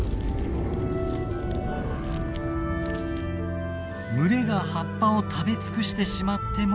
群れが葉っぱを食べ尽くしてしまっても大丈夫。